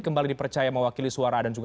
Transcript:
kembali dipercaya mewakili suara dan juga